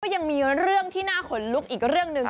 ยังมีเรื่องที่น่าขนลุกอีกเรื่องหนึ่ง